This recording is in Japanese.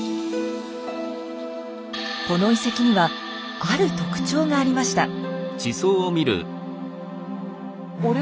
この遺跡にはある特徴がありました。